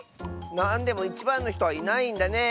なんでもいちばんのひとはいないんだね。